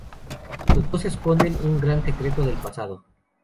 Los dos esconden un gran secreto del pasado.